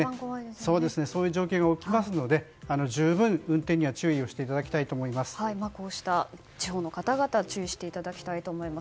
そういう状況が起きますので十分、運転には注意をこうした地方の方々注意していただきたいと思います。